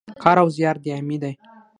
کار او زیار دایمي دی